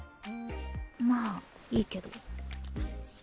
まあいいけど。